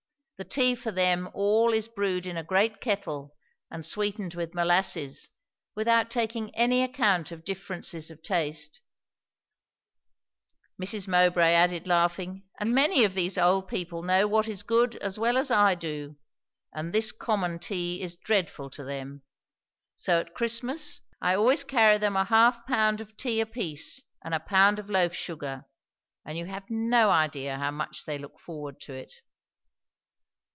The tea for them all is brewed in a great kettle and sweetened with molasses, without taking any account of differences of taste," Mrs. Mowbray added laughing; "and many of these old people know what is good as well as I do; and this common tea is dreadful to them. So at Christmas I always carry them a half pound of tea apiece and a pound of loaf sugar; and you have no idea how much they look forward to it."